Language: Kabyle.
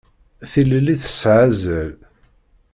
Tilelli tesɛa azal.